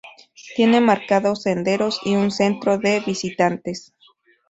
Tiene marcados senderos y un centro de visitantes.